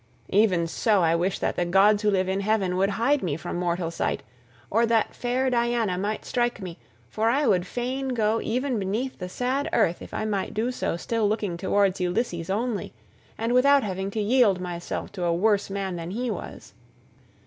Even so I wish that the gods who live in heaven would hide me from mortal sight, or that fair Diana might strike me, for I would fain go even beneath the sad earth if I might do so still looking towards Ulysses only, and without having to yield myself to a worse man than he was.